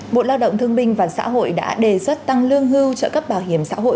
bộ lao động thương minh và xã hội đã đề xuất tăng lương hưu trợ cấp bảo hiểm xã hội